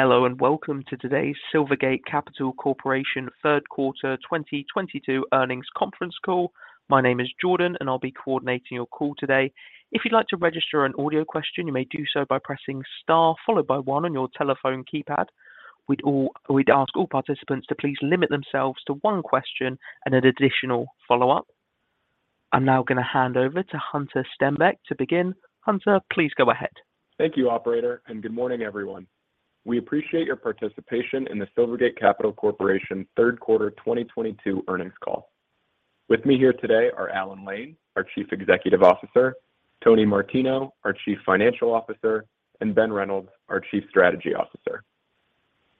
Hello, and welcome to today's Silvergate Capital Corporation third quarter 2022 earnings conference call. My name is Jordan, and I'll be coordinating your call today. If you'd like to register an audio question, you may do so by pressing star followed by one on your telephone keypad. We'd ask all participants to please limit themselves to one question and an additional follow-up. I'm now gonna hand over to Hunter Stenback to begin. Hunter, please go ahead. Thank you, operator, and good morning, everyone. We appreciate your participation in the Silvergate Capital Corporation third quarter 2022 earnings call. With me here today are Alan Lane, our Chief Executive Officer, Tony Martino, our Chief Financial Officer, and Ben Reynolds, our Chief Strategy Officer.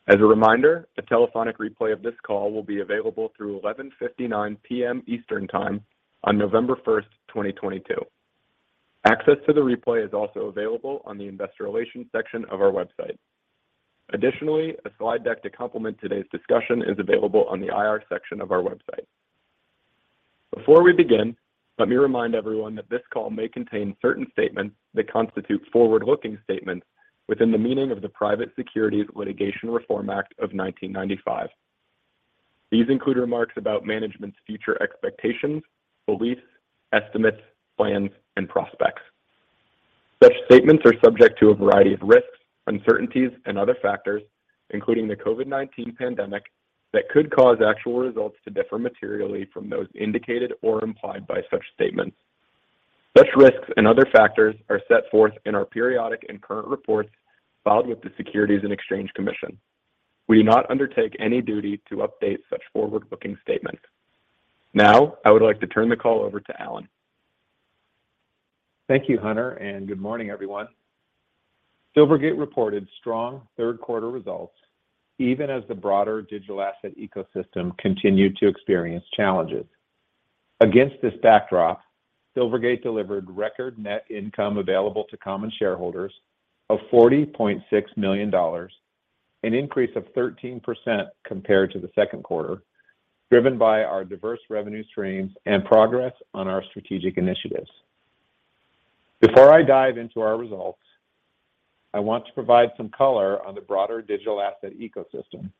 As a reminder, a telephonic replay of this call will be available through 11:59 P.M. Eastern Time on November 1st, 2022. Access to the replay is also available on the investor relations section of our website. Additionally, a slide deck to complement today's discussion is available on the IR section of our website. Before we begin, let me remind everyone that this call may contain certain statements that constitute forward-looking statements within the meaning of the Private Securities Litigation Reform Act of 1995. These include remarks about management's future expectations, beliefs, estimates, plans, and prospects. Such statements are subject to a variety of risks, uncertainties and other factors, including the COVID-19 pandemic, that could cause actual results to differ materially from those indicated or implied by such statements. Such risks and other factors are set forth in our periodic and current reports filed with the Securities and Exchange Commission. We do not undertake any duty to update such forward-looking statements. Now, I would like to turn the call over to Alan. Thank you, Hunter, and good morning, everyone. Silvergate reported strong third quarter results, even as the broader digital asset ecosystem continued to experience challenges. Against this backdrop, Silvergate delivered record net income available to common shareholders of $40.6 million, an increase of 13% compared to the second quarter, driven by our diverse revenue streams and progress on our strategic initiatives. Before I dive into our results, I want to provide some color on the broader digital asset ecosystem.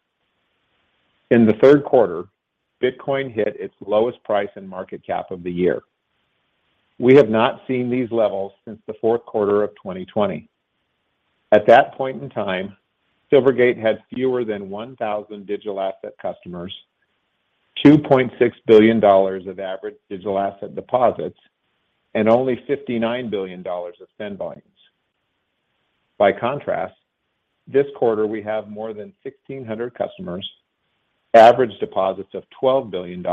In the third quarter, Bitcoin hit its lowest price and market cap of the year. We have not seen these levels since the fourth quarter of 2020. At that point in time, Silvergate had fewer than 1,000 digital asset customers, $2.6 billion of average digital asset deposits, and only $59 billion of send volumes. By contrast, this quarter we have more than 1,600 customers, average deposits of $12 billion,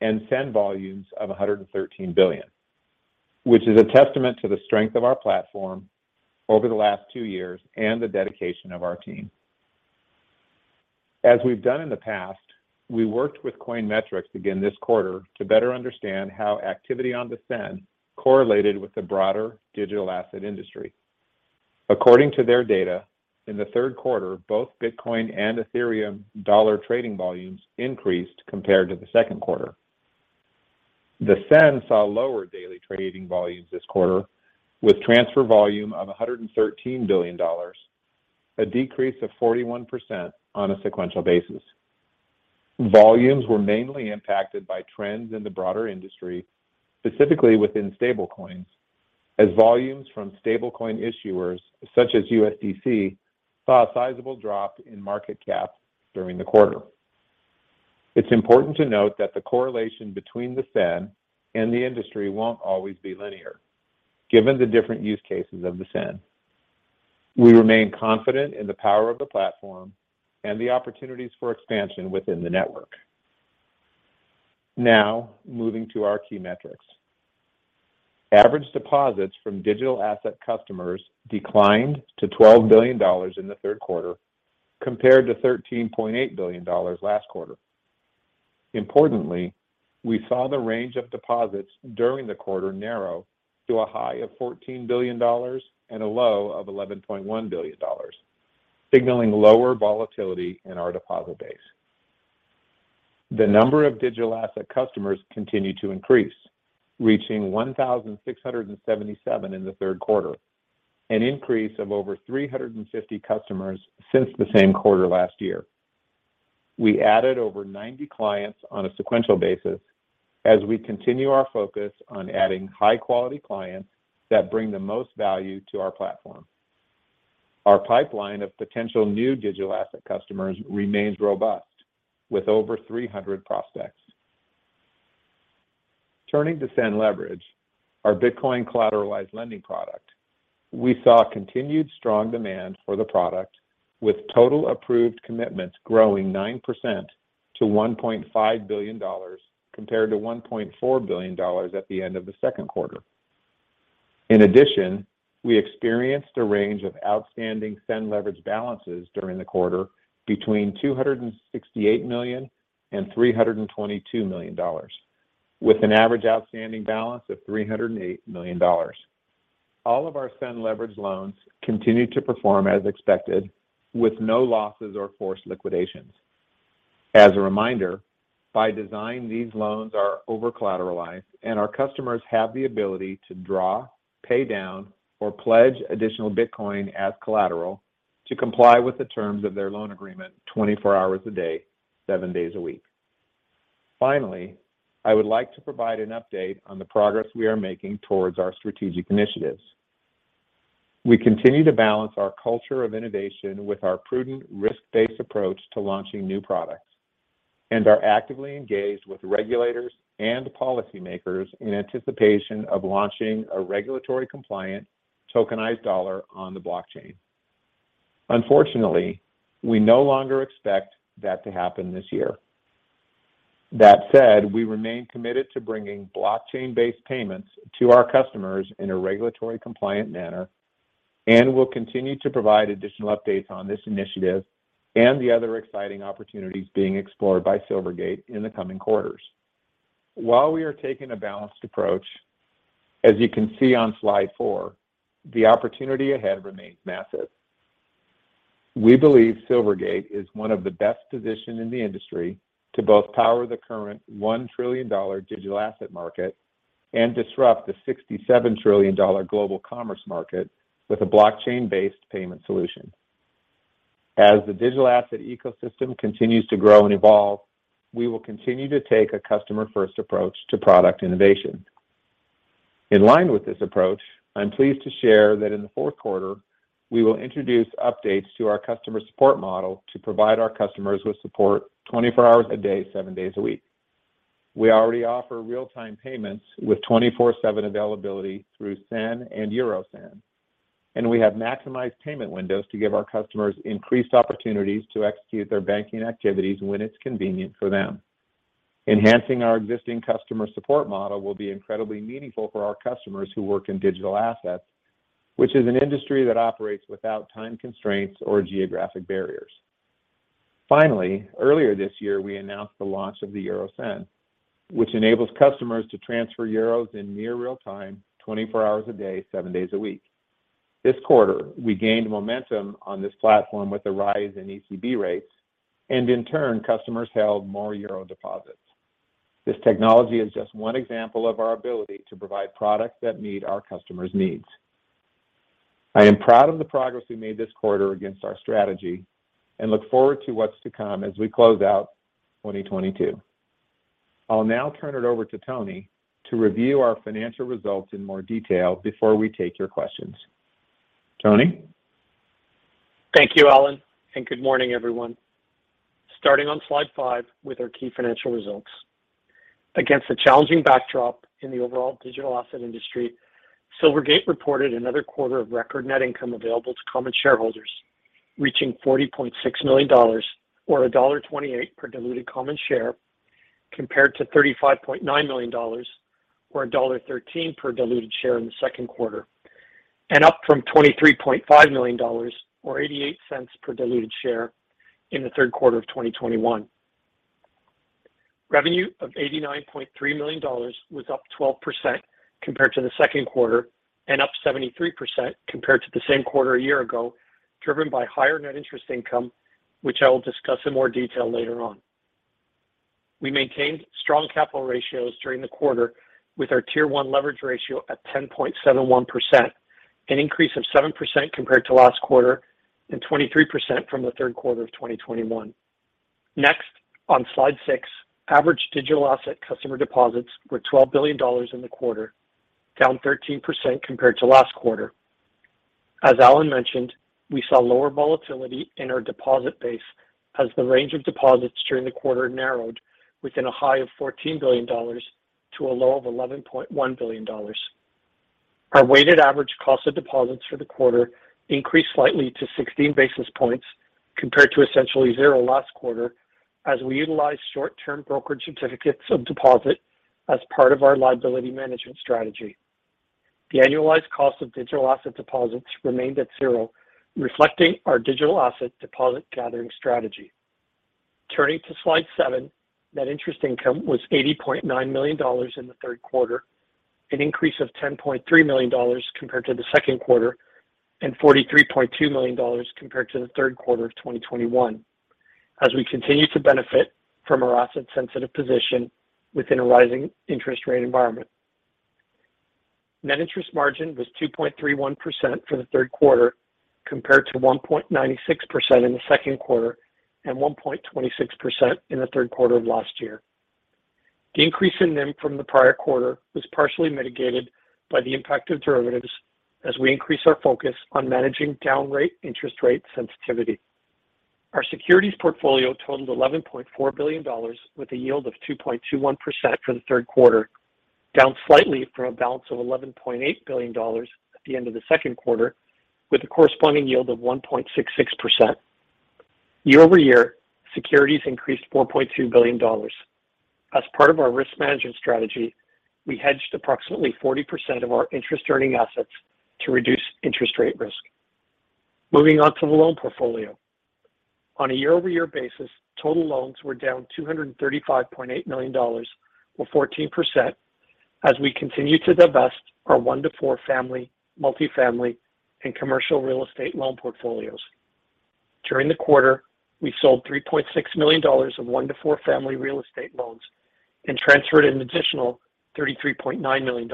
and SEN volumes of $113 billion, which is a testament to the strength of our platform over the last two years and the dedication of our team. As we've done in the past, we worked with Coin Metrics again this quarter to better understand how activity on the SEN correlated with the broader digital asset industry. According to their data, in the third quarter, both Bitcoin and Ethereum dollar trading volumes increased compared to the second quarter. The SEN saw lower daily trading volumes this quarter, with transfer volume of $113 billion, a decrease of 41% on a sequential basis. Volumes were mainly impacted by trends in the broader industry, specifically within stablecoins, as volumes from stablecoin issuers, such as USDC, saw a sizable drop in market cap during the quarter. It's important to note that the correlation between the SEN and the industry won't always be linear. Given the different use cases of the SEN, we remain confident in the power of the platform and the opportunities for expansion within the network. Now, moving to our key metrics. Average deposits from digital asset customers declined to $12 billion in the third quarter compared to $13.8 billion last quarter. Importantly, we saw the range of deposits during the quarter narrow to a high of $14 billion and a low of $11.1 billion, signaling lower volatility in our deposit base. The number of digital asset customers continued to increase, reaching 1,677 in the third quarter, an increase of over 350 customers since the same quarter last year. We added over 90 clients on a sequential basis as we continue our focus on adding high quality clients that bring the most value to our platform. Our pipeline of potential new digital asset customers remains robust with over 300 prospects. Turning to SEN Leverage, our Bitcoin collateralized lending product, we saw continued strong demand for the product with total approved commitments growing 9% to $1.5 billion compared to $1.4 billion at the end of the second quarter. In addition, we experienced a range of outstanding SEN Leverage balances during the quarter between $268 million and $322 million, with an average outstanding balance of $308 million. All of our SEN Leverage loans continued to perform as expected with no losses or forced liquidations. As a reminder, by design, these loans are overcollateralized, and our customers have the ability to draw, pay down, or pledge additional Bitcoin as collateral to comply with the terms of their loan agreement 24 hours a day, seven days a week. Finally, I would like to provide an update on the progress we are making towards our strategic initiatives. We continue to balance our culture of innovation with our prudent risk-based approach to launching new products, and are actively engaged with regulators and policymakers in anticipation of launching a regulatory compliant tokenized dollar on the blockchain. Unfortunately, we no longer expect that to happen this year. That said, we remain committed to bringing blockchain-based payments to our customers in a regulatory compliant manner, and we'll continue to provide additional updates on this initiative and the other exciting opportunities being explored by Silvergate in the coming quarters. While we are taking a balanced approach, as you can see on slide four, the opportunity ahead remains massive. We believe Silvergate is one of the best positioned in the industry to both power the current $1 trillion digital asset market and disrupt the $67 trillion global commerce market with a blockchain-based payment solution. As the digital asset ecosystem continues to grow and evolve, we will continue to take a customer-first approach to product innovation. In line with this approach, I'm pleased to share that in the fourth quarter, we will introduce updates to our customer support model to provide our customers with support 24 hours a day, seven days a week. We already offer real-time payments with 24/7 availability through SEN and Euro SEN, and we have maximized payment windows to give our customers increased opportunities to execute their banking activities when it's convenient for them. Enhancing our existing customer support model will be incredibly meaningful for our customers who work in digital assets, which is an industry that operates without time constraints or geographic barriers. Finally, earlier this year, we announced the launch of the Euro SEN, which enables customers to transfer euros in near real time, 24 hours a day, seven days a week. This quarter, we gained momentum on this platform with a rise in ECB rates, and in turn, customers held more euro deposits. This technology is just one example of our ability to provide products that meet our customers' needs. I am proud of the progress we made this quarter against our strategy and look forward to what's to come as we close out 2022. I'll now turn it over to Tony to review our financial results in more detail before we take your questions. Tony. Thank you, Alan, and good morning, everyone. Starting on slide five with our key financial results. Against a challenging backdrop in the overall digital asset industry, Silvergate reported another quarter of record net income available to common shareholders, reaching $40.6 million or $1.28 per diluted common share, compared to $35.9 million or $1.13 per diluted share in the second quarter, and up from $23.5 million or $0.88 per diluted share in the third quarter of 2021. Revenue of $89.3 million was up 12% compared to the second quarter and up 73% compared to the same quarter a year ago, driven by higher net interest income, which I will discuss in more detail later on. We maintained strong capital ratios during the quarter with our Tier one leverage ratio at 10.71%, an increase of 7% compared to last quarter and 23% from the third quarter of 2021. Next on slide six, average digital asset customer deposits were $12 billion in the quarter, down 13% compared to last quarter. As Alan mentioned, we saw lower volatility in our deposit base as the range of deposits during the quarter narrowed within a high of $14 billion to a low of $11.1 billion. Our weighted average cost of deposits for the quarter increased slightly to 16 basis points compared to essentially zero last quarter as we utilized short-term brokerage certificates of deposit as part of our liability management strategy. The annualized cost of digital asset deposits remained at zero, reflecting our digital asset deposit gathering strategy. Turning to slide seven, net interest income was $80.9 million in the third quarter, an increase of $10.3 million compared to the second quarter and $43.2 million compared to the third quarter of 2021 as we continue to benefit from our asset-sensitive position within a rising interest rate environment. Net interest margin was 2.31% for the third quarter compared to 1.96% in the second quarter and 1.26% in the third quarter of last year. The increase in NIM from the prior quarter was partially mitigated by the impact of derivatives as we increase our focus on managing down rate interest rate sensitivity. Our securities portfolio totaled $11.4 billion with a yield of 2.21% for the third quarter, down slightly from a balance of $11.8 billion at the end of the second quarter, with a corresponding yield of 1.66%. Year-over-year, securities increased $4.2 billion. As part of our risk management strategy, we hedged approximately 40% of our interest-earning assets to reduce interest rate risk. Moving on to the loan portfolio. On a year-over-year basis, total loans were down $235.8 million or 14% as we continue to divest our one-to-four-family multifamily and commercial real estate loan portfolios. During the quarter, we sold $3.6 million of one to four family real estate loans and transferred an additional $33.9 million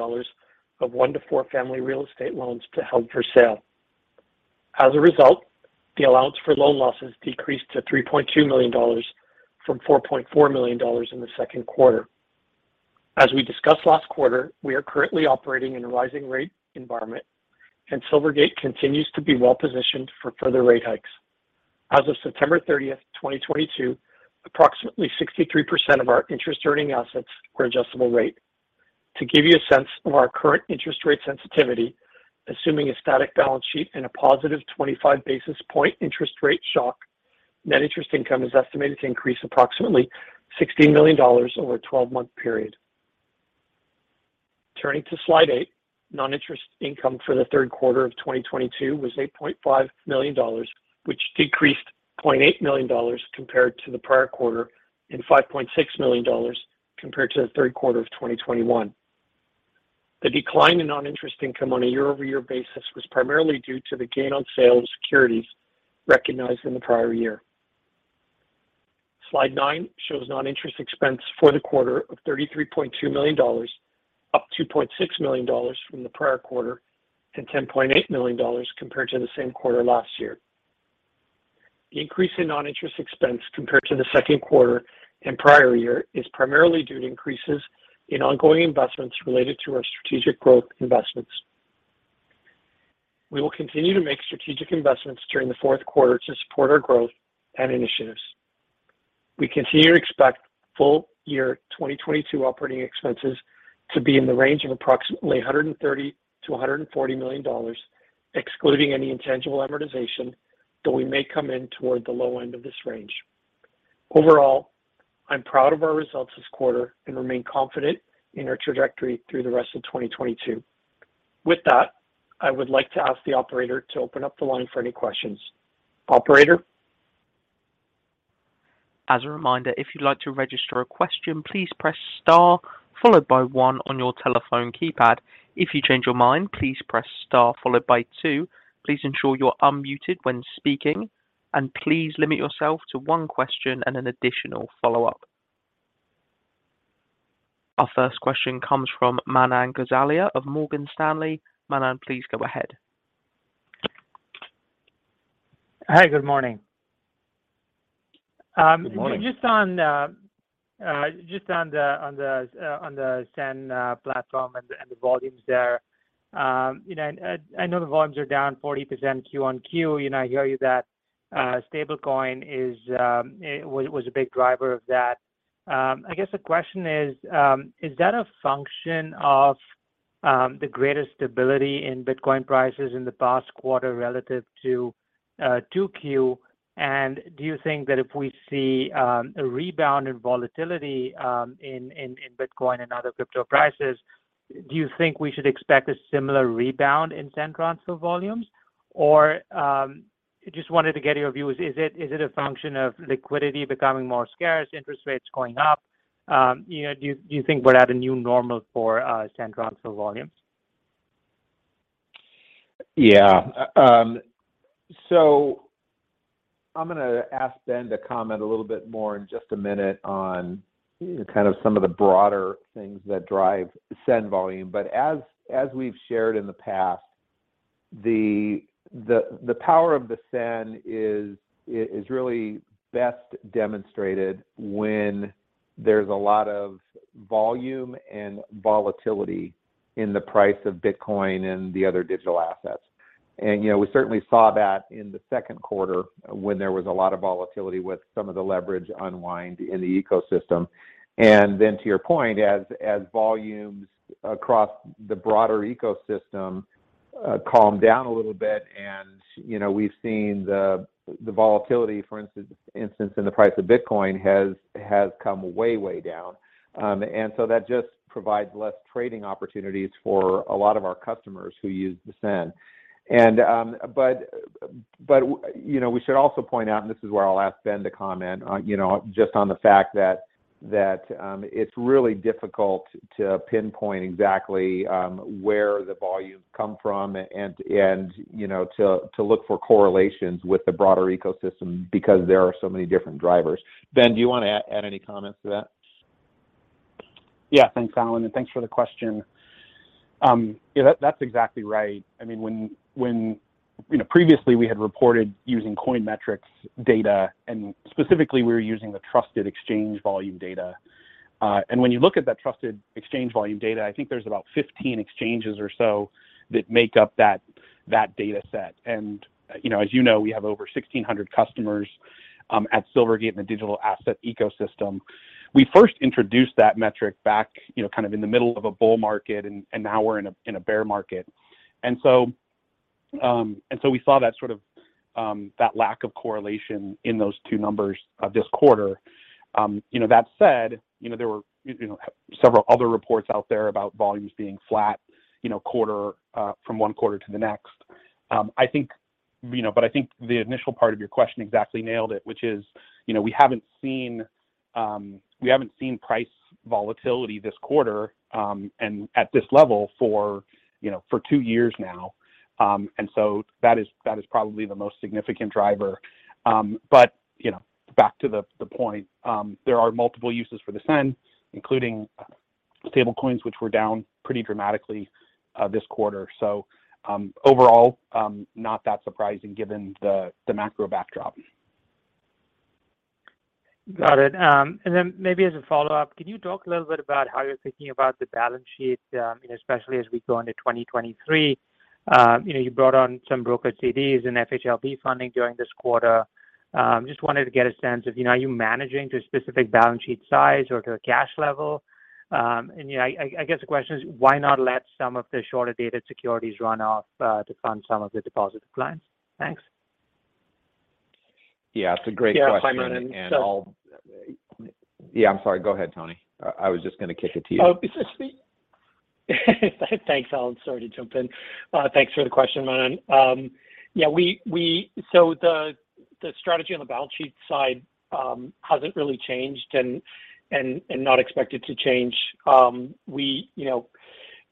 of one to four family real estate loans to held for sale. As a result, the allowance for loan losses decreased to $3.2 million from $4.4 million in the second quarter. As we discussed last quarter, we are currently operating in a rising rate environment, and Silvergate continues to be well positioned for further rate hikes. As of September 30th, 2022, approximately 63% of our interest earning assets were adjustable rate. To give you a sense of our current interest rate sensitivity, assuming a static balance sheet and a positive 25 basis point interest rate shock, net interest income is estimated to increase approximately $16 million over a 12-month period. Turning to slide eight, non-interest income for the third quarter of 2022 was $8.5 million, which decreased $0.8 million compared to the prior quarter and $5.6 million compared to the third quarter of 2021. The decline in non-interest income on a year-over-year basis was primarily due to the gain on sale of securities recognized in the prior year. Slide nine shows non-interest expense for the quarter of $33.2 million, up $2.6 million from the prior quarter and $10.8 million compared to the same quarter last year. The increase in non-interest expense compared to the second quarter and prior year is primarily due to increases in ongoing investments related to our strategic growth investments. We will continue to make strategic investments during the fourth quarter to support our growth and initiatives. We continue to expect full year 2022 operating expenses to be in the range of approximately $130 million-$140 million, excluding any intangible amortization, though we may come in toward the low end of this range. Overall, I'm proud of our results this quarter and remain confident in our trajectory through the rest of 2022. With that, I would like to ask the operator to open up the line for any questions. Operator? As a reminder, if you'd like to register a question, please press star followed by one on your telephone keypad. If you change your mind, please press star followed by two. Please ensure you're unmuted when speaking, and please limit yourself to one question and an additional follow-up. Our first question comes from Manan Gosalia of Morgan Stanley. Manan, please go ahead. Hi. Good morning. Good morning. Just on the SEN platform and the volumes there. You know, I know the volumes are down 40% Q-on-Q. You know, I hear you that stablecoin was a big driver of that. I guess the question is that a function of the greater stability in Bitcoin prices in the past quarter relative to 2Q and do you think that if we see a rebound in volatility in Bitcoin and other crypto prices, do you think we should expect a similar rebound in SEN transfer volumes? Just wanted to get your view. Is it a function of liquidity becoming more scarce, interest rates going up? You know, do you think we're at a new normal for SEN transfer volumes? Yeah. So I'm gonna ask Ben to comment a little bit more in just a minute on, you know, kind of some of the broader things that drive SEN volume. As we've shared in the past, the power of the SEN is really best demonstrated when there's a lot of volume and volatility in the price of Bitcoin and the other digital assets. We certainly saw that in the second quarter when there was a lot of volatility with some of the leverage unwind in the ecosystem. To your point, as volumes across the broader ecosystem calm down a little bit and, you know, we've seen the volatility, for instance, in the price of Bitcoin has come way down. That just provides less trading opportunities for a lot of our customers who use the SEN. You know, we should also point out, and this is where I'll ask Ben to comment on, you know, just on the fact that it's really difficult to pinpoint exactly where the volumes come from and you know to look for correlations with the broader ecosystem because there are so many different drivers. Ben, do you wanna add any comments to that? Yeah. Thanks, Alan, and thanks for the question. Yeah, that's exactly right. I mean, you know, previously we had reported using Coin Metrics data, and specifically we were using the trusted exchange volume data. When you look at that trusted exchange volume data, I think there's about 15 exchanges or so that make up that dataset. You know, as you know, we have over 1,600 customers at Silvergate in the digital asset ecosystem. We first introduced that metric back, you know, kind of in the middle of a bull market, and now we're in a bear market. We saw that sort of lack of correlation in those two numbers of this quarter. You know, that said, you know, there were you know several other reports out there about volumes being flat, you know, quarter from one quarter to the next. I think, you know, but I think the initial part of your question exactly nailed it, which is, you know, we haven't seen price volatility this quarter, and at this level for, you know, for two years now. That is probably the most significant driver. You know, back to the point, there are multiple uses for the SEN, including stablecoins, which were down pretty dramatically this quarter. Overall, not that surprising given the macro backdrop. Got it. Maybe as a follow-up, can you talk a little bit about how you're thinking about the balance sheet, especially as we go into 2023? You know, you brought on some brokered CDs and FHLB funding during this quarter. Just wanted to get a sense of, you know, are you managing to a specific balance sheet size or to a cash level? You know, I guess the question is, why not let some of the shorter-dated securities run off to fund some of the deposit declines? Thanks. Yeah. It's a great question. Yeah. If I may, Manan. Yeah, I'm sorry. Go ahead, Tony. I was just gonna kick it to you. Oh, is this me? Thanks, Alan. Sorry to jump in. Thanks for the question, Manan. Yeah, the strategy on the balance sheet side hasn't really changed and not expected to change. We, you know,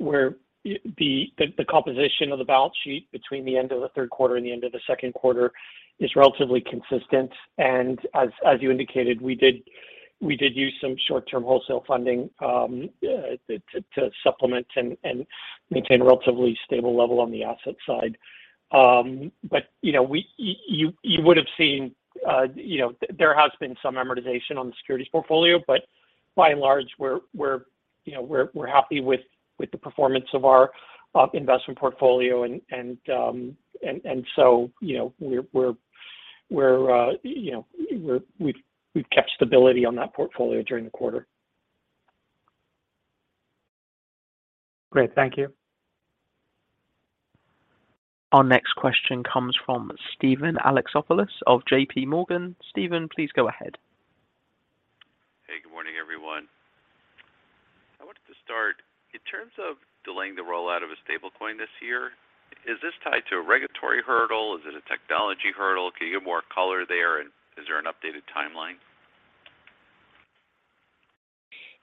the composition of the balance sheet between the end of the third quarter and the end of the second quarter is relatively consistent. As you indicated, we did use some short-term wholesale funding to supplement and maintain a relatively stable level on the asset side. You know, you would've seen, you know, there has been some amortization on the securities portfolio, but by and large, we're, you know, happy with the performance of our investment portfolio. you know, you know, we've kept stability on that portfolio during the quarter. Great. Thank you. Our next question comes from Steven Alexopoulos of JP Morgan. Steven, please go ahead. Hey, good morning, everyone. I wanted to start, in terms of delaying the rollout of a stablecoin this year, is this tied to a regulatory hurdle? Is it a technology hurdle? Can you give more color there? Is there an updated timeline?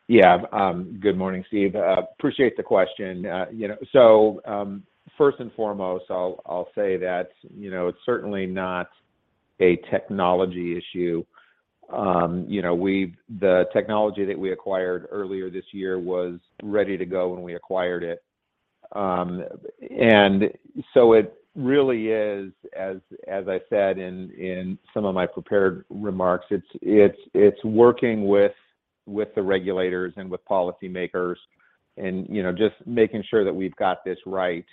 Yeah. Good morning, Steve. Appreciate the question. You know, first and foremost, I'll say that, you know, it's certainly not a technology issue. The technology that we acquired earlier this year was ready to go when we acquired it. It really is, as I said in some of my prepared remarks, it's working with the regulators and with policymakers and, you know, just making sure that we've got this right.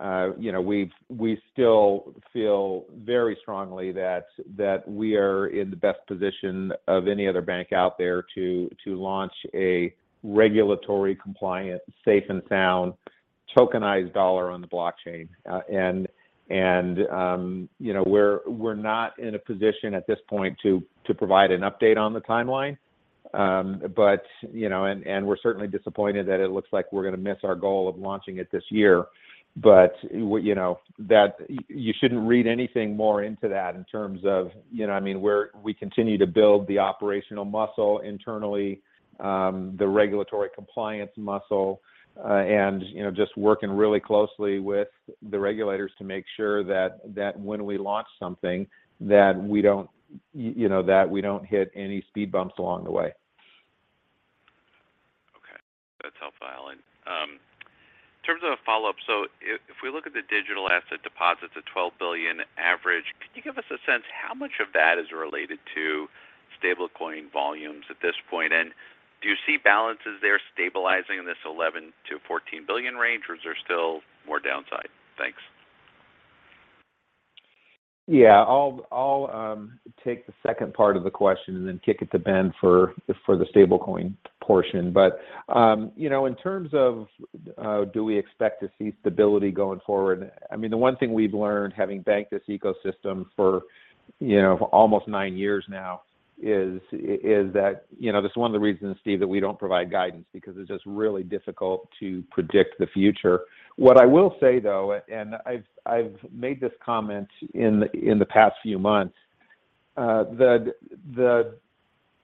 You know, we still feel very strongly that we are in the best position of any other bank out there to launch a regulatory compliant, safe and sound tokenized dollar on the blockchain. You know, we're not in a position at this point to provide an update on the timeline. You know, we're certainly disappointed that it looks like we're gonna miss our goal of launching it this year. You know, that you shouldn't read anything more into that in terms of, you know what I mean, we continue to build the operational muscle internally, the regulatory compliance muscle, and, you know, just working really closely with the regulators to make sure that when we launch something that we don't, you know, that we don't hit any speed bumps along the way. Okay. That's helpful, Alan. In terms of a follow-up, if we look at the digital asset deposits at $12 billion average, could you give us a sense how much of that is related to stablecoin volumes at this point? And do you see balances there stabilizing in this $11 billion-$14 billion range, or is there still more downside? Thanks. Yeah. I'll take the second part of the question and then kick it to Ben for the stablecoin portion. You know, in terms of do we expect to see stability going forward, I mean, the one thing we've learned having banked this ecosystem for you know, almost nine years now is that you know, this is one of the reasons, Steve, that we don't provide guidance because it's just really difficult to predict the future. What I will say, though, and I've made this comment in the past few months, the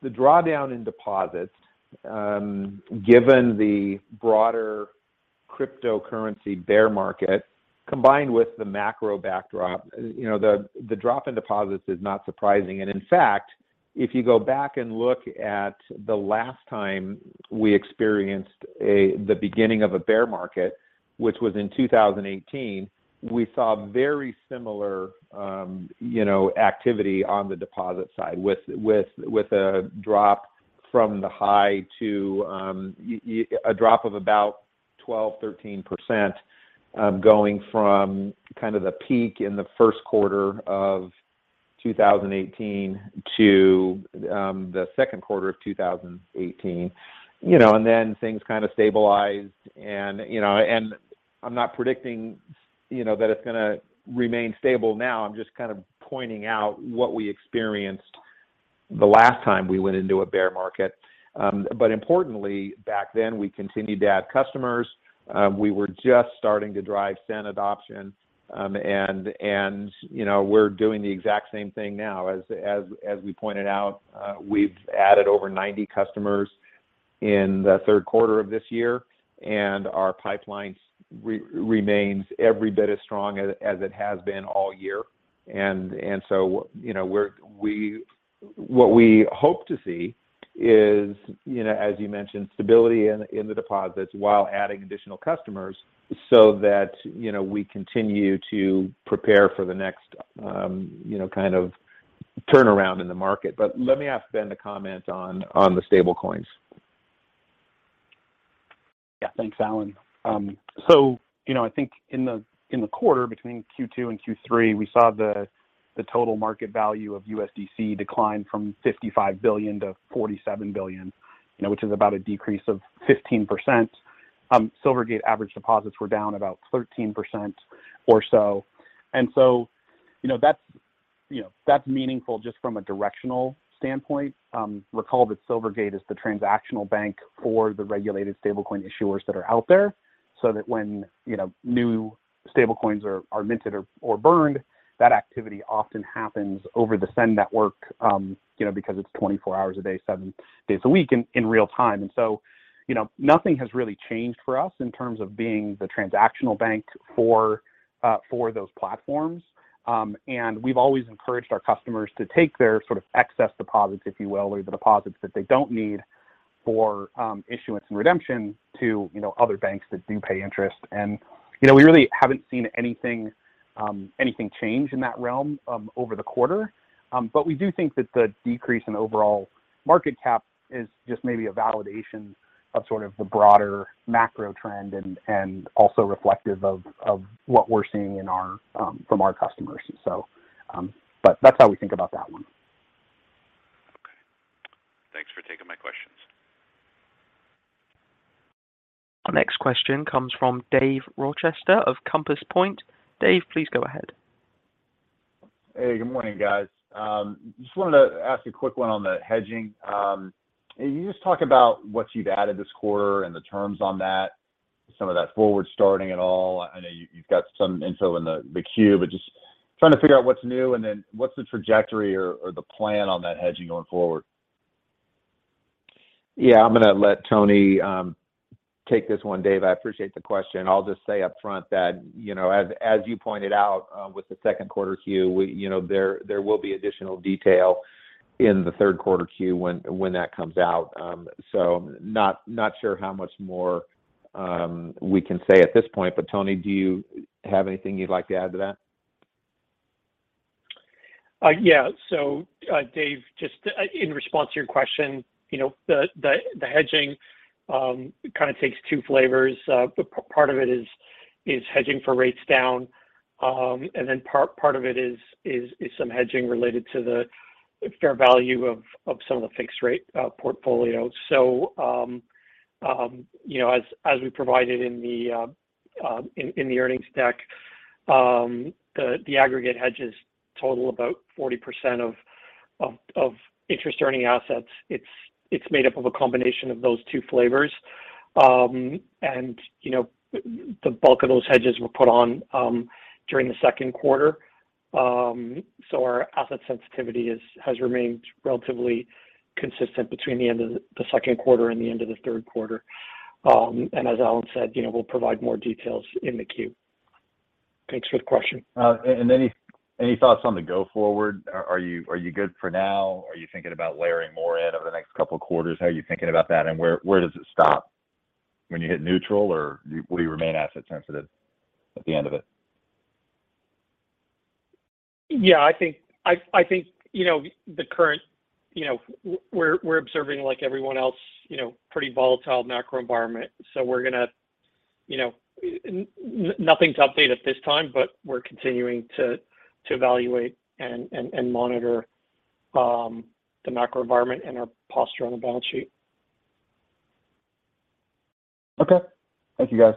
drawdown in deposits given the broader cryptocurrency bear market combined with the macro backdrop, you know, the drop in deposits is not surprising. In fact, if you go back and look at the last time we experienced the beginning of a bear market, which was in 2018, we saw very similar, you know, activity on the deposit side with a drop from the high to a drop of about 12%-13%, going from kind of the peak in the first quarter of 2018 to the second quarter of 2018. You know, and then things kind of stabilized and, you know, and I'm not predicting, you know, that it's gonna remain stable now. I'm just kind of pointing out what we experienced the last time we went into a bear market. But importantly, back then, we continued to add customers. We were just starting to drive SEN adoption, and you know, we're doing the exact same thing now. As we pointed out, we've added over 90 customers in the third quarter of this year, and our pipeline remains every bit as strong as it has been all year. What we hope to see is, you know, as you mentioned, stability in the deposits while adding additional customers so that, you know, we continue to prepare for the next kind of turnaround in the market. Let me ask Ben to comment on the stablecoins. Yeah. Thanks, Alan. You know, I think in the quarter between Q2 and Q3, we saw the total market value of USDC decline from $55 billion-$47 billion, you know, which is about a decrease of 15%. Silvergate average deposits were down about 13% or so, and so, you know, that's meaningful just from a directional standpoint. Recall that Silvergate is the transactional bank for the regulated stablecoin issuers that are out there, so that when, you know, new stablecoins are minted or burned, that activity often happens over the SEN network, you know, because it's 24 hours a day, seven days a week in real time. You know, nothing has really changed for us in terms of being the transactional bank for those platforms. We've always encouraged our customers to take their sort of excess deposits, if you will, or the deposits that they don't need for issuance and redemption to, you know, other banks that do pay interest. You know, we really haven't seen anything change in that realm over the quarter. We do think that the decrease in overall market cap is just maybe a validation of sort of the broader macro trend and also reflective of what we're seeing from our customers. That's how we think about that one. Okay. Thanks for taking my questions. Our next question comes from Dave Rochester of Compass Point. Dave, please go ahead. Hey, good morning, guys. Just wanted to ask a quick one on the hedging. Can you just talk about what you've added this quarter and the terms on that, some of that forward starting at all? I know you've got some info in the queue, but just trying to figure out what's new and then what's the trajectory or the plan on that hedging going forward. Yeah. I'm gonna let Tony take this one, Dave. I appreciate the question. I'll just say up front that, you know, as you pointed out, with the second quarter Q, we, you know, there will be additional detail in the third quarter Q when that comes out. Not sure how much more we can say at this point. Tony, do you have anything you'd like to add to that? Yeah, Dave, just in response to your question, you know, the hedging kind of takes two flavors. Part of it is hedging for rates down, and then part of it is some hedging related to the fair value of some of the fixed rate portfolios. You know, as we provided in the earnings deck, the aggregate hedges total about 40% of interest-earning assets. It's made up of a combination of those two flavors. You know, the bulk of those hedges were put on during the second quarter. Our asset sensitivity has remained relatively consistent between the end of the second quarter and the end of the third quarter. As Alan said, you know, we'll provide more details in the queue. Thanks for the question. Any thoughts on the go forward? Are you good for now? Are you thinking about layering more in over the next couple of quarters? How are you thinking about that, and where does it stop? When you hit neutral, or will you remain asset sensitive at the end of it? Yeah. I think you know the current you know. We're observing like everyone else you know pretty volatile macro environment. We're gonna you know. Nothing to update at this time, but we're continuing to evaluate and monitor the macro environment and our posture on the balance sheet. Okay. Thank you guys.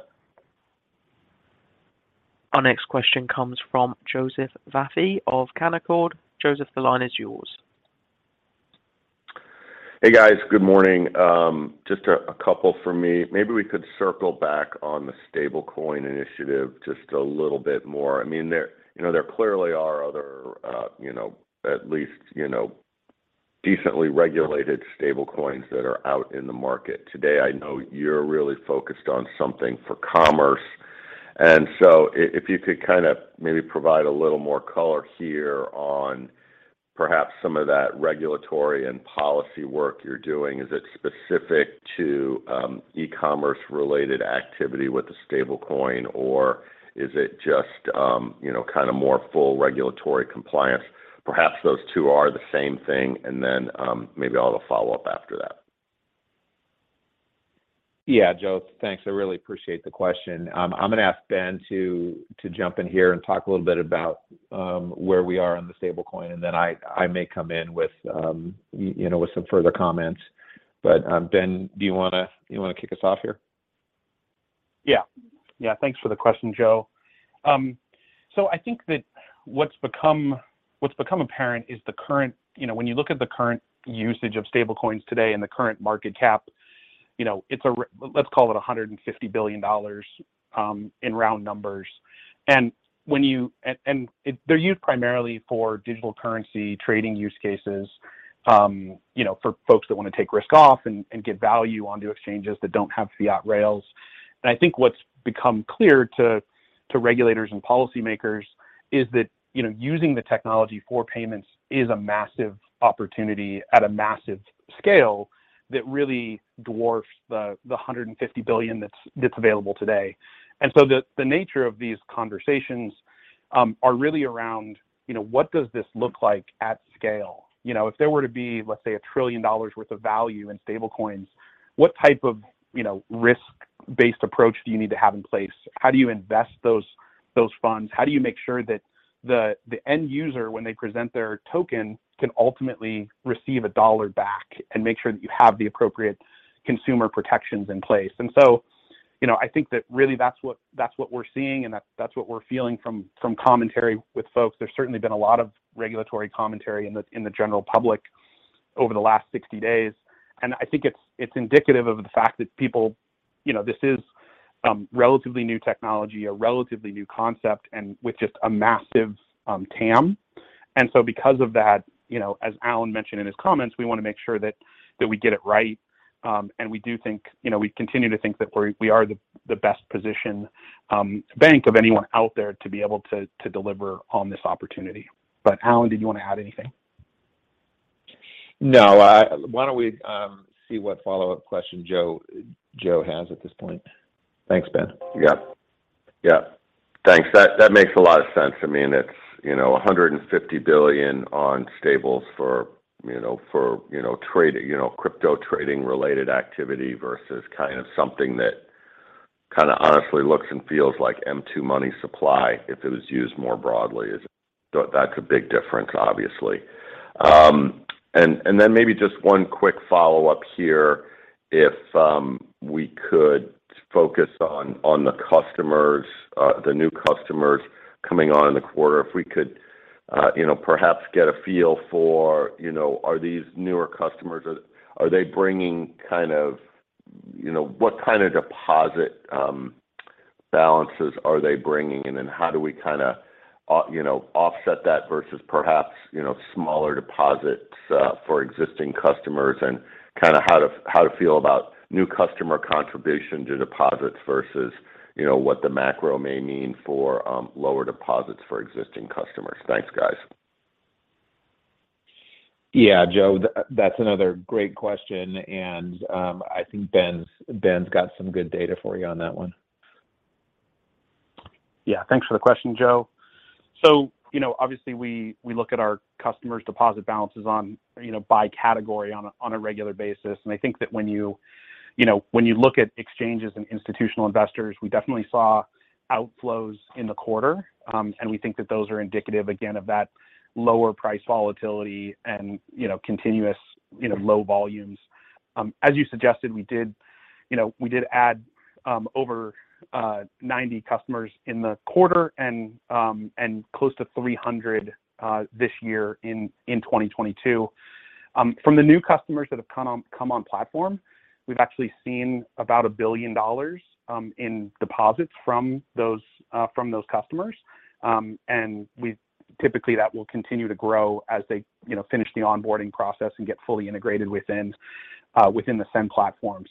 Our next question comes from Joseph Vafi of Canaccord. Joseph, the line is yours. Hey, guys. Good morning. Just a couple from me. Maybe we could circle back on the stablecoin initiative just a little bit more. I mean, there you know, there clearly are other, you know, at least, you know, decently regulated stablecoins that are out in the market today. I know you're really focused on something for commerce. If you could kind of maybe provide a little more color here on perhaps some of that regulatory and policy work you're doing. Is it specific to e-commerce related activity with the stablecoin, or is it just, you know, kind of more full regulatory compliance? Perhaps those two are the same thing, and then maybe I'll have a follow-up after that. Yeah, Joe. Thanks. I really appreciate the question. I'm gonna ask Ben to jump in here and talk a little bit about where we are on the stablecoin, and then I may come in with you know, with some further comments. Ben, do you wanna kick us off here? Yeah. Yeah. Thanks for the question, Joe. I think that what's become apparent is the current. You know, when you look at the current usage of stablecoins today and the current market cap, you know, it's let's call it $150 billion in round numbers. They're used primarily for digital currency trading use cases, you know, for folks that wanna take risk off and get value onto exchanges that don't have fiat rails. I think what's become clear to regulators and policymakers is that, you know, using the technology for payments is a massive opportunity at a massive scale that really dwarfs the $150 billion that's available today. The nature of these conversations are really around, you know, what does this look like at scale? You know, if there were to be, let's say, $1 trillion worth of value in stablecoins, what type of, you know, risk-based approach do you need to have in place? How do you invest those funds? How do you make sure that the end user, when they present their token, can ultimately receive a dollar back and make sure that you have the appropriate consumer protections in place? You know, I think that really that's what we're seeing and that's what we're feeling from commentary with folks. There's certainly been a lot of regulatory commentary in the general public over the last 60 days. I think it's indicative of the fact that people. You know, this is relatively new technology, a relatively new concept, and with just a massive TAM. Because of that, you know, as Alan mentioned in his comments, we wanna make sure that we get it right. We do think, you know, we continue to think that we are the best positioned bank of anyone out there to be able to deliver on this opportunity. Alan, did you wanna add anything? No. Why don't we see what follow-up question Joe has at this point? Thanks, Ben. Yeah. Yeah. Thanks. That makes a lot of sense. I mean, it's you know, $150 billion on stables for you know, trading you know, crypto trading related activity versus kind of something that kind of honestly looks and feels like M2 money supply if it was used more broadly. That's a big difference, obviously. And then maybe just one quick follow-up here if we could focus on the customers, the new customers coming on in the quarter. If we could you know, perhaps get a feel for you know, are these newer customers, are they bringing kind of you know, what kind of deposit balances are they bringing in, and how do we kinda offset that versus perhaps you know, smaller deposits for existing customers? Kind of how to feel about new customer contribution to deposits versus, you know, what the macro may mean for lower deposits for existing customers? Thanks, guys. Yeah, Joe. That's another great question, and I think Ben's got some good data for you on that one. Yeah. Thanks for the question, Joe. You know, obviously, we look at our customers' deposit balances on, you know, by category on a regular basis. I think that when you know, when you look at exchanges and institutional investors, we definitely saw outflows in the quarter, and we think that those are indicative again of that lower price volatility and, you know, continuous, you know, low volumes. As you suggested, we did, you know, we did add over 90 customers in the quarter and close to 300 this year in 2022. From the new customers that have come on platform, we've actually seen about $1 billion in deposits from those customers. We've typically that will continue to grow as they, you know, finish the onboarding process and get fully integrated within the SEN platform.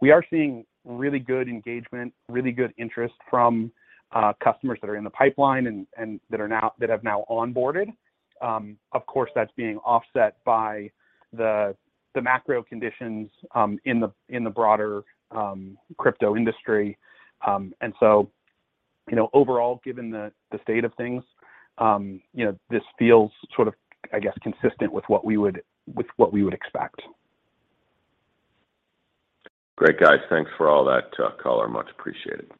We are seeing really good engagement, really good interest from customers that are in the pipeline and that have now onboarded. Of course, that's being offset by the macro conditions in the broader crypto industry. You know, overall, given the state of things, you know, this feels sort of, I guess, consistent with what we would expect. Great, guys. Thanks for all that color. Much appreciated.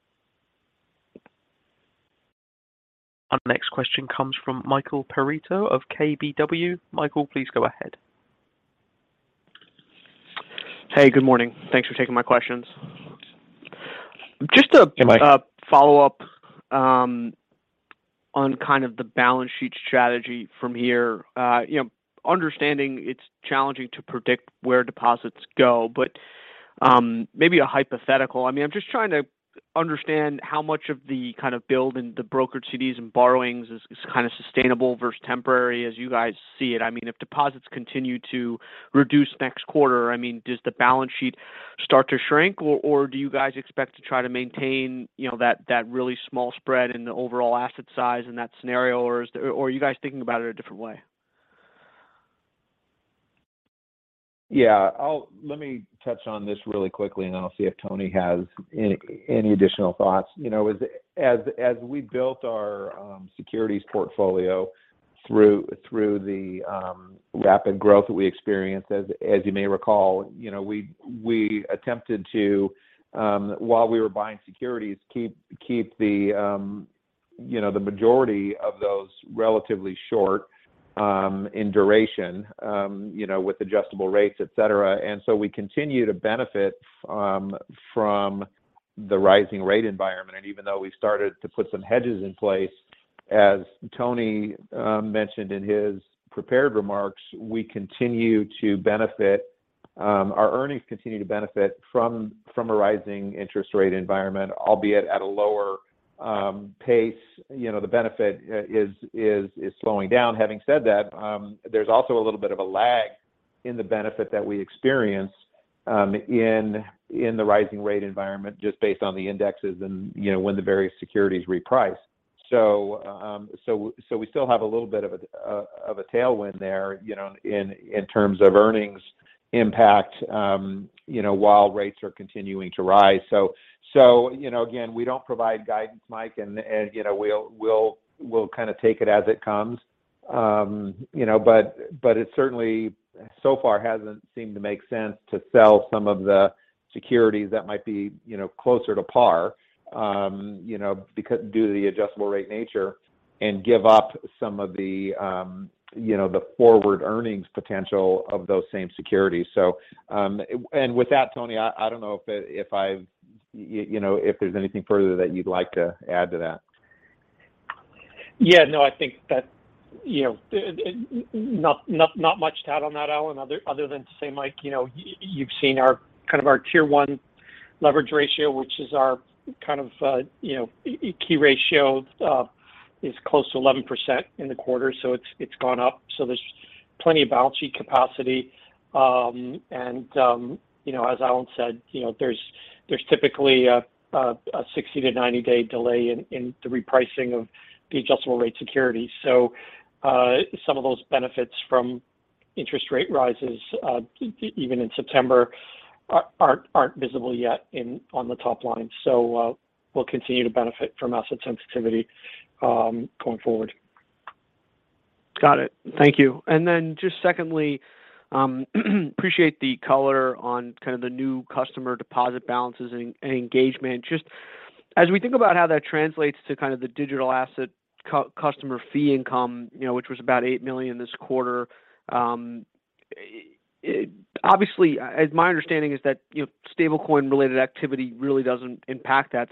Our next question comes from Michael Perito of KBW. Michael, please go ahead. Hey, good morning. Thanks for taking my questions. Hey, Mike. Just to follow up on kind of the balance sheet strategy from here. You know, understanding it's challenging to predict where deposits go, but maybe a hypothetical. I mean, I'm just trying to understand how much of the kind of build in the brokered CDs and borrowings is kind of sustainable versus temporary as you guys see it. I mean, if deposits continue to reduce next quarter, does the balance sheet start to shrink or do you guys expect to try to maintain, you know, that really small spread in the overall asset size in that scenario or are you guys thinking about it a different way? Yeah. Let me touch on this really quickly, and then I'll see if Tony has any additional thoughts. You know, as we built our securities portfolio through the rapid growth that we experienced, as you may recall, you know, we attempted to, while we were buying securities, keep the majority of those relatively short in duration, you know, with adjustable rates, et cetera. We continue to benefit from the rising rate environment. Even though we started to put some hedges in place, as Tony mentioned in his prepared remarks, we continue to benefit, our earnings continue to benefit from a rising interest rate environment, albeit at a lower pace. You know, the benefit is slowing down. Having said that, there's also a little bit of a lag in the benefit that we experience, in the rising rate environment just based on the indexes and, you know, when the various securities reprice. We still have a little bit of a tailwind there, you know, in terms of earnings impact, you know, while rates are continuing to rise. You know, again, we don't provide guidance, Mike, and, you know, we'll kind of take it as it comes. You know, it certainly so far hasn't seemed to make sense to sell some of the securities that might be, you know, closer to par, due to the adjustable rate nature and give up some of the forward earnings potential of those same securities. With that, Tony, I don't know if I've you know, if there's anything further that you'd like to add to that. Yeah, no, I think that, you know, not much to add on that, Alan, other than to say, Mike, you know, you've seen our Tier one leverage ratio, which is our key ratio, is close to 11% in the quarter, so it's gone up, so there's plenty of balance sheet capacity. You know, as Alan said, you know, there's typically a 60- to 90-day delay in the repricing of the adjustable rate security. Some of those benefits from interest rate rises even in September aren't visible yet on the top line. We'll continue to benefit from asset sensitivity going forward. Got it. Thank you. Just secondly, appreciate the color on kind of the new customer deposit balances and engagement. Just as we think about how that translates to kind of the digital asset customer fee income, you know, which was about $8 million this quarter, obviously, as my understanding is that, you know, stablecoin-related activity really doesn't impact that.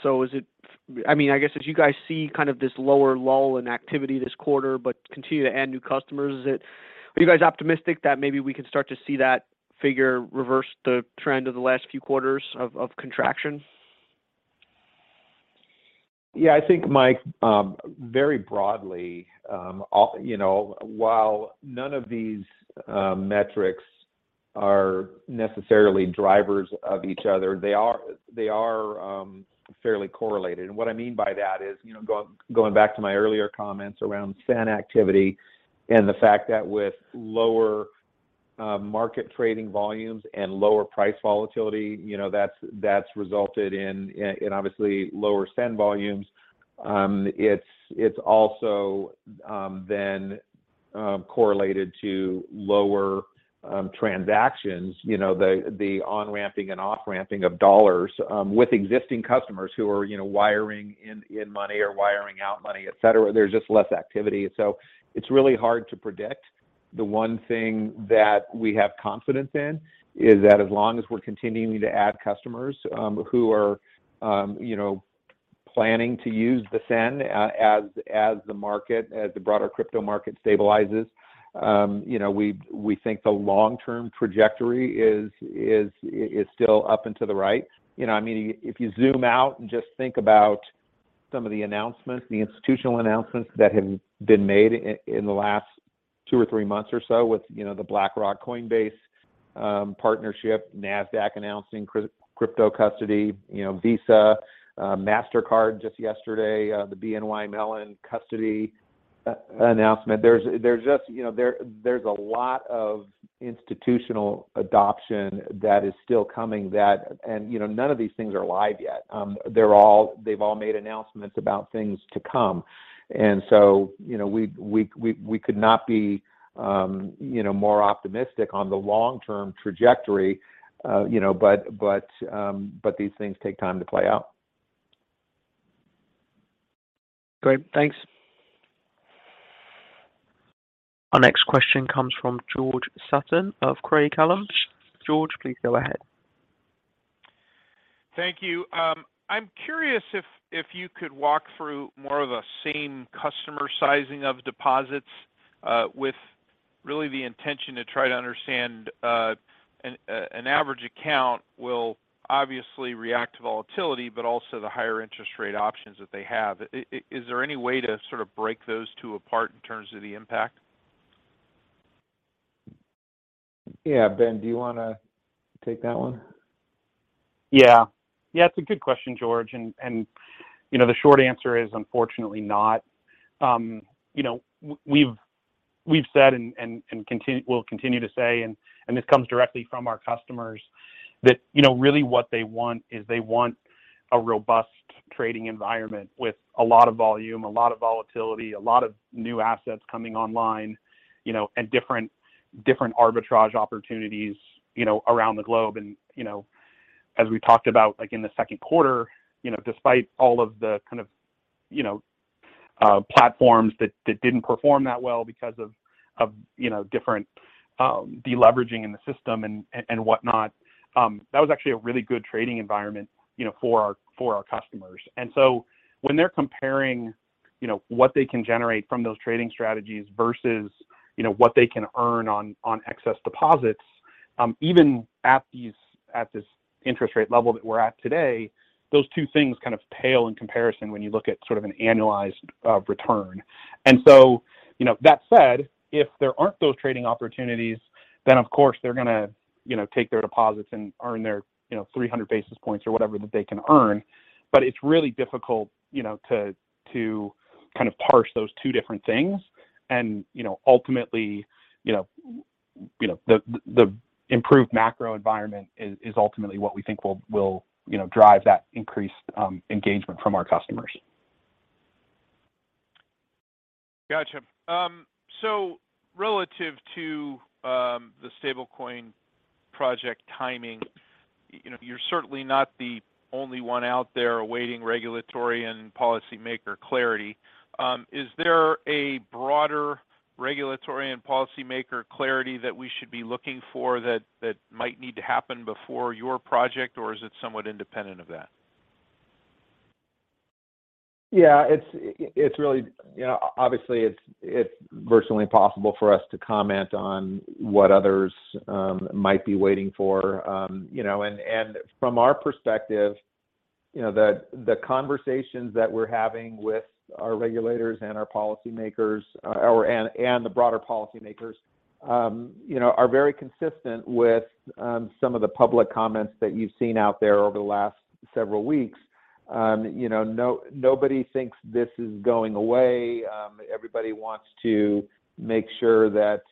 I mean, I guess as you guys see kind of this lower lull in activity this quarter, but continue to add new customers, are you guys optimistic that maybe we can start to see that figure reverse the trend of the last few quarters of contraction? Yeah, I think, Mike, very broadly, you know, while none of these metrics are necessarily drivers of each other, they are fairly correlated. What I mean by that is, you know, going back to my earlier comments around SEN activity and the fact that with lower market trading volumes and lower price volatility, you know, that's resulted in obviously lower SEN volumes. It's also then correlated to lower transactions, you know, the on-ramping and off-ramping of dollars with existing customers who are, you know, wiring in money or wiring out money, et cetera. There's just less activity. It's really hard to predict. The one thing that we have confidence in is that as long as we're continuing to add customers, who are, you know, planning to use the SEN as the market, as the broader crypto market stabilizes, you know, we think the long-term trajectory is still up and to the right. You know, I mean, if you zoom out and just think about some of the announcements, the institutional announcements that have been made in the last two or three months or so with, you know, the BlackRock Coinbase partnership, Nasdaq announcing crypto custody, you know, Visa, Mastercard just yesterday, the BNY Mellon custody announcement. There's just, you know, a lot of institutional adoption that is still coming. You know, none of these things are live yet. They've all made announcements about things to come. You know, we could not be more optimistic on the long-term trajectory, you know, but these things take time to play out. Great. Thanks. Our next question comes from George Sutton of Craig-Hallum. George, please go ahead. Thank you. I'm curious if you could walk through more of a same customer sizing of deposits, with really the intention to try to understand, an average account will obviously react to volatility, but also the higher interest rate options that they have. Is there any way to sort of break those two apart in terms of the impact? Yeah. Ben, do you wanna take that one? Yeah. Yeah, it's a good question, George. You know, the short answer is unfortunately not. You know, we'll continue to say, and this comes directly from our customers, that you know, really what they want is they want a robust trading environment with a lot of volume, a lot of volatility, a lot of new assets coming online, you know, and different arbitrage opportunities, you know, around the globe. As we talked about, like in the second quarter, you know, despite all of the kind of, you know, platforms that didn't perform that well because of, you know, different, de-leveraging in the system and, whatnot, that was actually a really good trading environment, you know, for our customers. When they're comparing, you know, what they can generate from those trading strategies versus, you know, what they can earn on excess deposits, even at this interest rate level that we're at today, those two things kind of pale in comparison when you look at sort of an annualized return. You know, that said, if there aren't those trading opportunities, then of course they're gonna, you know, take their deposits and earn their, you know, 300 basis points or whatever that they can earn. But it's really difficult, you know, to kind of parse those two different things. Ultimately, you know, the improved macro environment is ultimately what we think will, you know, drive that increased engagement from our customers. Gotcha. So relative to the stablecoin project timing, you know, you're certainly not the only one out there awaiting regulatory and policymaker clarity. Is there a broader regulatory and policymaker clarity that we should be looking for that might need to happen before your project, or is it somewhat independent of that? Yeah. It's really, you know, obviously, it's virtually impossible for us to comment on what others might be waiting for. You know, from our perspective, you know, the conversations that we're having with our regulators and our policymakers and the broader policymakers, you know, are very consistent with some of the public comments that you've seen out there over the last several weeks. You know, nobody thinks this is going away. Everybody wants to make sure that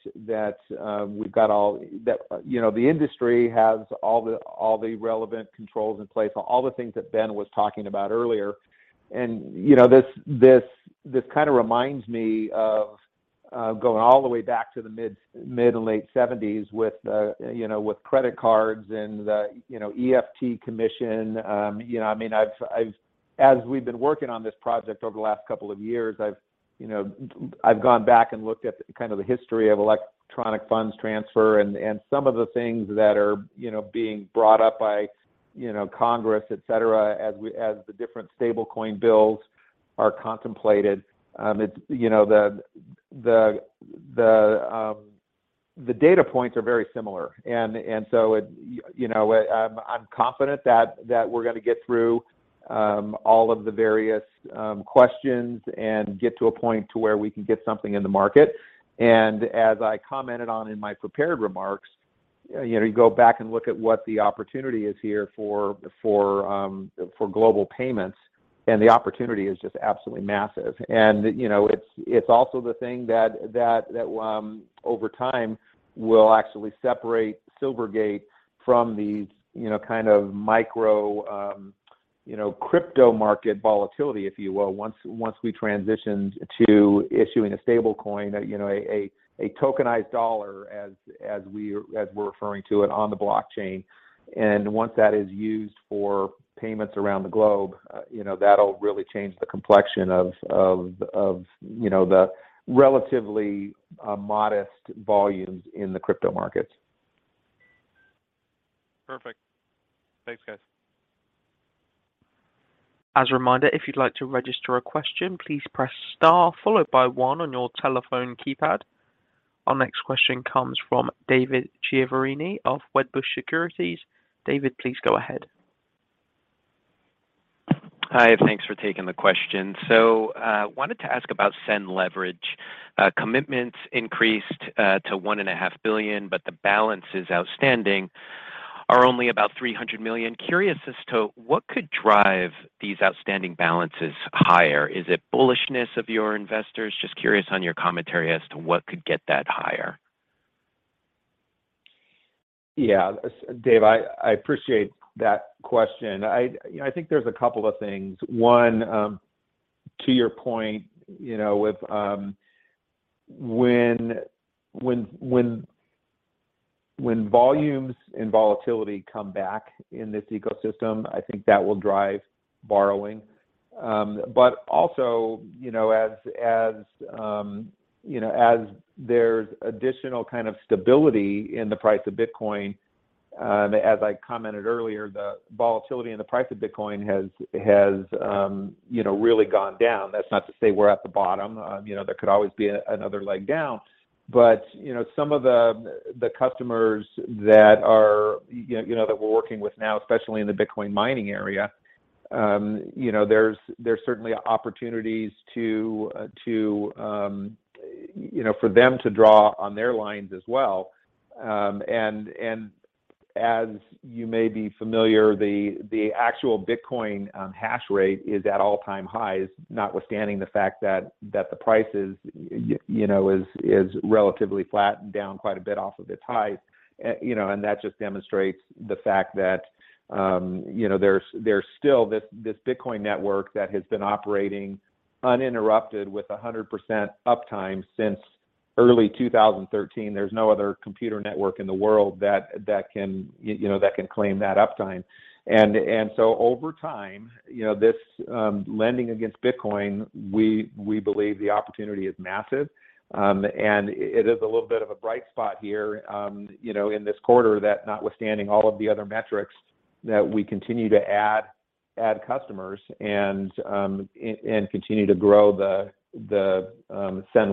we've got all that, you know, the industry has all the relevant controls in place, all the things that Ben was talking about earlier. You know, this kind of reminds me of going all the way back to the mid and late seventies with credit cards and the EFT Commission. You know, I mean, as we've been working on this project over the last couple of years, I've gone back and looked at kind of the history of electronic funds transfer and some of the things that are being brought up by Congress, et cetera, as the different stablecoin bills are contemplated. It's, you know, the data points are very similar. I'm confident that we're gonna get through all of the various questions and get to a point to where we can get something in the market. As I commented on in my prepared remarks, you know, you go back and look at what the opportunity is here for global payments, and the opportunity is just absolutely massive. You know, it's also the thing that over time will actually separate Silvergate from the kind of micro crypto market volatility, if you will, once we transition to issuing a stablecoin, you know, a tokenized dollar as we're referring to it on the blockchain. Once that is used for payments around the globe, you know, that'll really change the complexion of, you know, the relatively modest volumes in the crypto markets. Perfect. Thanks, guys. As a reminder, if you'd like to register a question, please press star followed by one on your telephone keypad. Our next question comes from David Chiaverini of Wedbush Securities. David, please go ahead. Hi, and thanks for taking the question. Wanted to ask about SEN Leverage. Commitments increased to $1.5 billion, but the balances outstanding are only about $300 million. Curious as to what could drive these outstanding balances higher. Is it bullishness of your investors? Just curious on your commentary as to what could get that higher. Yeah. Dave, I appreciate that question. You know, I think there's a couple of things. One, to your point, you know, with when volumes and volatility come back in this ecosystem, I think that will drive borrowing. Also, you know, as you know, as there's additional kind of stability in the price of Bitcoin, as I commented earlier, the volatility in the price of Bitcoin has, you know, really gone down. That's not to say we're at the bottom. You know, there could always be another leg down. You know, some of the customers that are, you know, that we're working with now, especially in the Bitcoin mining area, you know, there's certainly opportunities to, you know, for them to draw on their lines as well. As you may be familiar, the actual Bitcoin hash rate is at all-time highs, notwithstanding the fact that the price is, you know, relatively flat and down quite a bit off of its highs. You know, that just demonstrates the fact that, you know, there's still this Bitcoin network that has been operating uninterrupted with 100% uptime since early 2013. There's no other computer network in the world that can claim that uptime. So over time, you know, this lending against Bitcoin, we believe the opportunity is massive. It is a little bit of a bright spot here, you know, in this quarter that notwithstanding all of the other metrics that we continue to add customers and continue to grow the SEN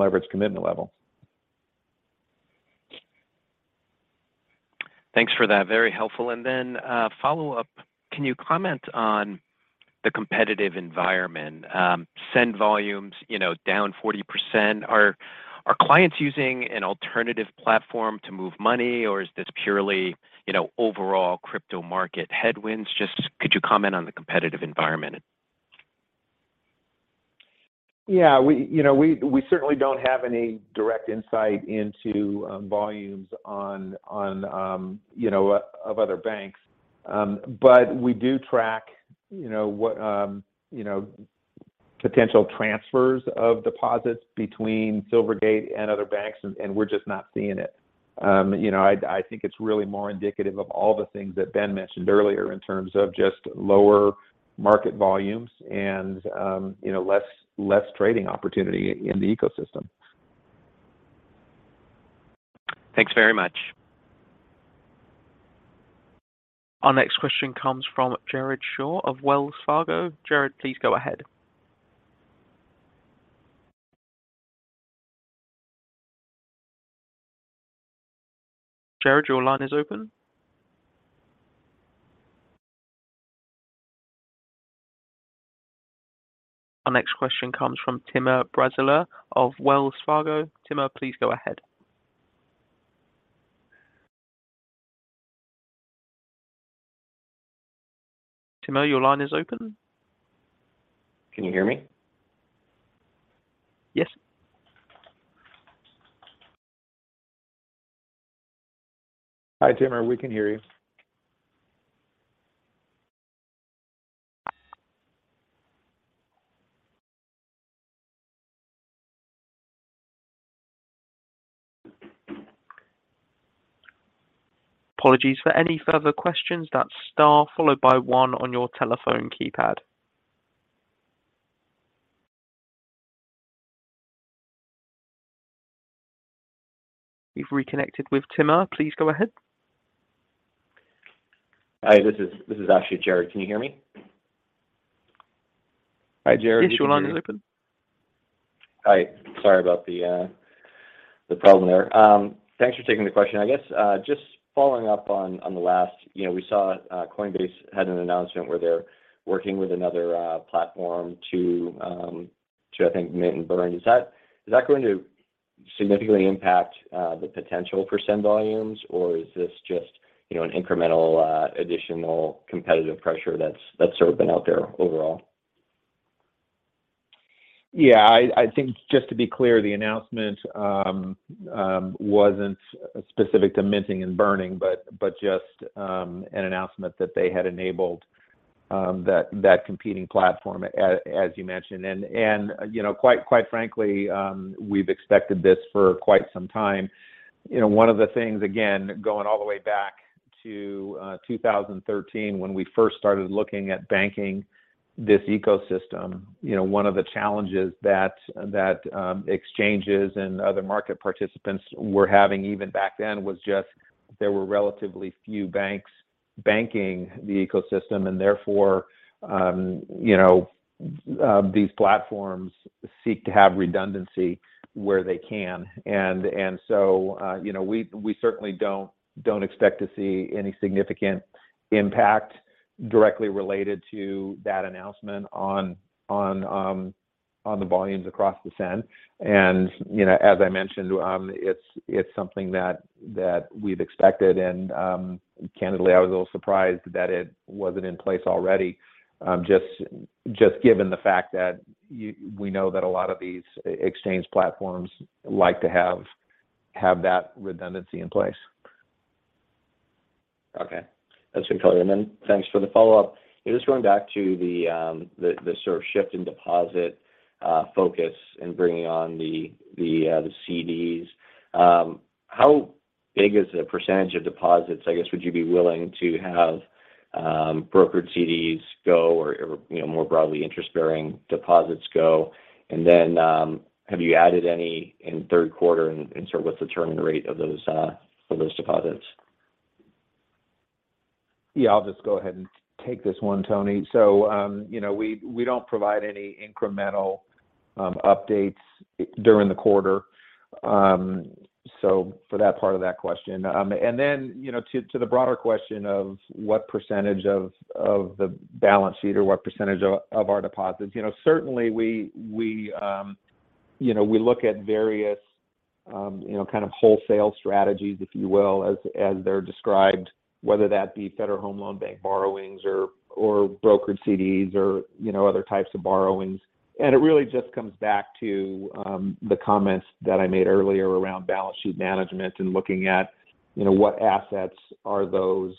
leverage commitment level. Thanks for that. Very helpful. Follow-up, can you comment on the competitive environment, SEN volumes down 40%. Are clients using an alternative platform to move money, or is this purely overall crypto market headwinds? Just could you comment on the competitive environment? Yeah. We, you know, we certainly don't have any direct insight into volumes of other banks. We do track you know what you know potential transfers of deposits between Silvergate and other banks, and we're just not seeing it. You know, I think it's really more indicative of all the things that Ben mentioned earlier in terms of just lower market volumes and you know less trading opportunity in the ecosystem. Thanks very much. Our next question comes from Jared Shaw of Wells Fargo. Jared, please go ahead. Jared, your line is open. Our next question comes from Timur Braziler of Wells Fargo. Timur, please go ahead. Timur, your line is open. Can you hear me? Yes. Hi, Timur. We can hear you. Apologies for any further questions. That's star followed by one on your telephone keypad. We've reconnected with Timur. Please go ahead. Hi. This is actually Jared. Can you hear me? Hi, Jared. We can hear you. Yes. Your line is open. Hi. Sorry about the problem there. Thanks for taking the question. I guess just following up on the last. You know, we saw Coinbase had an announcement where they're working with another platform to, I think, mint and burn. Is that going to significantly impact the potential for SEN volumes, or is this just, you know, an incremental additional competitive pressure that's sort of been out there overall? Yeah. I think just to be clear, the announcement wasn't specific to minting and burning, but just an announcement that they had enabled that competing platform as you mentioned. You know, quite frankly, we've expected this for quite some time. You know, one of the things, again, going all the way back to 2013 when we first started looking at banking this ecosystem, you know, one of the challenges that exchanges and other market participants were having even back then was just there were relatively few banks banking the ecosystem, and therefore, you know, these platforms seek to have redundancy where they can. You know, we certainly don't expect to see any significant impact directly related to that announcement on the volumes across the SEN. You know, as I mentioned, it's something that we've expected. Candidly, I was a little surprised that it wasn't in place already, given the fact that we know that a lot of these exchange platforms like to have that redundancy in place. Okay. That's been clear. Thanks for the follow-up. Just going back to the sort of shift in deposit focus and bringing on the CDs. How big is the percentage of deposits, I guess, would you be willing to have brokered CDs go or you know more broadly interest-bearing deposits go? Have you added any in third quarter and sort of what's the term and the rate of those for those deposits? Yeah, I'll just go ahead and take this one, Tony. You know, we don't provide any incremental updates during the quarter, so for that part of that question. You know, to the broader question of what percentage of the balance sheet or what percentage of our deposits. You know, certainly we look at various, you know, kind of wholesale strategies, if you will, as they're described, whether that be Federal Home Loan Bank borrowings or brokered CDs or, you know, other types of borrowings. It really just comes back to the comments that I made earlier around balance sheet management and looking at, you know, what assets are those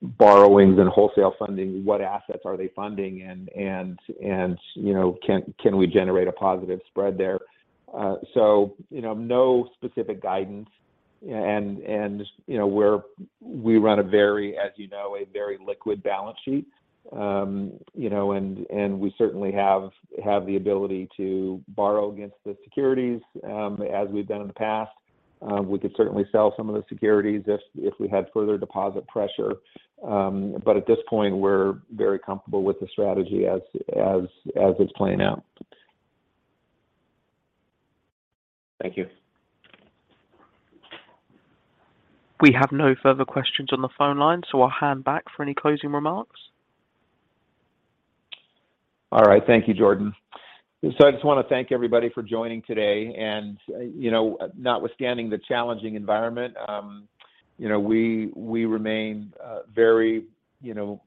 borrowings and wholesale funding, what assets are they funding and, you know, can we generate a positive spread there? You know, no specific guidance and, you know, we run a very liquid balance sheet, as you know. You know, and we certainly have the ability to borrow against the securities, as we've done in the past. We could certainly sell some of the securities if we had further deposit pressure. At this point, we're very comfortable with the strategy as it's playing out. Thank you. We have no further questions on the phone line, so I'll hand back for any closing remarks. All right. Thank you, Jordan. I just wanna thank everybody for joining today. You know, notwithstanding the challenging environment. You know, we remain very, you know,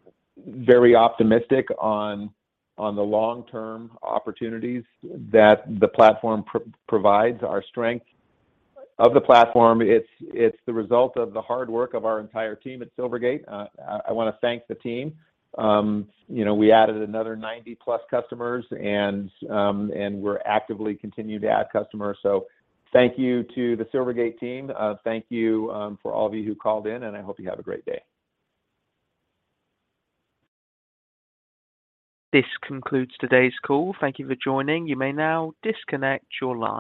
very optimistic on the long-term opportunities that the platform provides, our strength of the platform. It's the result of the hard work of our entire team at Silvergate. I wanna thank the team. You know, we added another 90+ customers and we're actively continuing to add customers. Thank you to the Silvergate team. Thank you for all of you who called in, and I hope you have a great day. This concludes today's call. Thank you for joining. You may now disconnect your line.